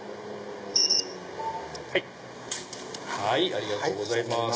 ありがとうございます。